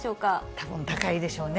たぶん高いでしょうね。